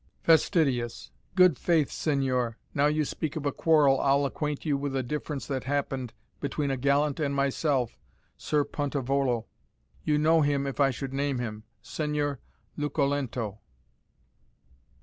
"Fastidius. Good faith, Signior, now you speak of a quarrel, I'll acquaint you with a difference that happened between a gallant and myself, Sir Puntarvolo. You know him if I should name him Signor Luculento.